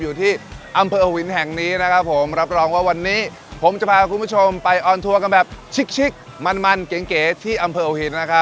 อยู่ที่อำเภอวินแห่งนี้นะครับผมรับรองว่าวันนี้ผมจะพาคุณผู้ชมไปออนทัวร์กันแบบชิกมันมันเก๋ที่อำเภอหัวหินนะครับ